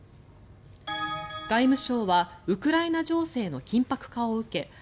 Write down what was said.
外務省はウクライナ情勢の緊迫化を受け